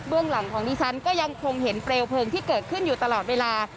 เบื้องหลังทองนี้ฉันก็ยังคงเห็นเปรียวเพลิงที่เกิดขึ้นอยู่ตลอดเวลา